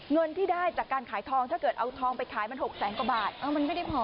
เงินที่ได้จากการขายทองถ้าเกิดเอาทองไปขายมัน๖แสงกว่าบาท